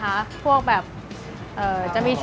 เป็นสุขภาพอย่างเดียวเลย